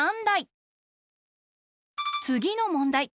つぎのもんだい。